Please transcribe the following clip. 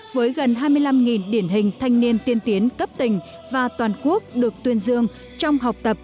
với gần hai mươi năm điển hình thanh niên tiên tiến cấp tỉnh và toàn quốc được tuyên dương trong học tập